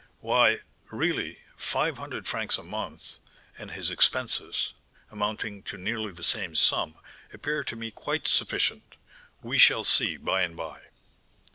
"Why, really, five hundred francs a month, and his expenses, amounting to nearly the same sum, appear to me quite sufficient; we shall see by and by."